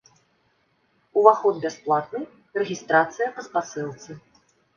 Уваход бясплатны, рэгістрацыя па спасылцы.